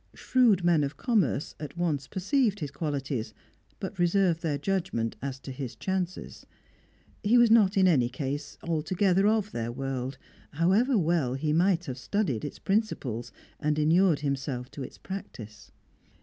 Shrewd men of commerce at once perceived his qualities, but reserved their judgment as to his chances; he was not, in any case, altogether of their world, however well he might have studied its principles and inured himself to its practice.